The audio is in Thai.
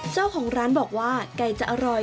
เจ้าของร้านบอกว่าไก่จะอร่อย